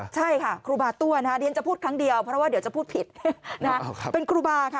ใช่ค่ะครูบาตั้วนะคะเรียนจะพูดครั้งเดียวเพราะว่าเดี๋ยวจะพูดผิดเป็นครูบาค่ะ